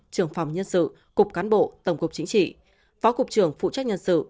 trưởng phòng nhân sự cục cán bộ tổng cục chính trị phó cục trưởng phụ trách nhân sự